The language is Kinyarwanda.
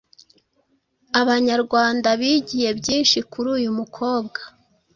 Abanyarwanda bigiye byinshi kuri uyu mukobwa,